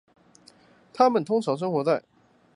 它们通常生活在大西洋西部的热带和亚热带海域。